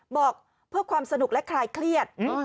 บอกเพื่อความสนุกและคลายเครียด